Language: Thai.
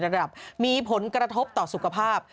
รวมอย่างระดับมีผลกระทบต่อสุขภาพ